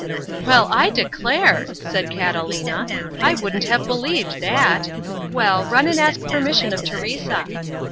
"Well, I declare!" said Catalina, "I wouldn't have believed that! Well, run and ask permission of Teresa."